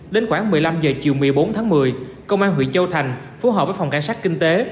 đến khoảng một mươi năm h chiều một mươi bốn tháng một mươi công an huyện châu thành phù hợp với phòng cảnh sát kinh tế